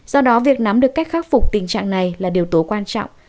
do đó việc nắm được cách khắc phục tình trạng này là điều tố quan trọng